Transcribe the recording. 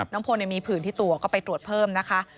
น้องโพงเนี่ยมีผื่นที่ตัวก็ไปตรวจเพิ่มนะคะ